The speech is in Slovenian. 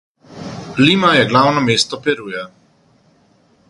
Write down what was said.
Lima je glavno mesto Peruja.